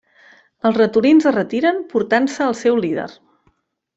Els ratolins es retiren portant-se al seu líder.